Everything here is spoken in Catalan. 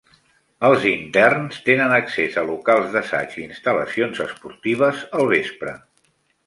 Els interns tenen accés a locals d'assaig i instal·lacions esportives al vespre.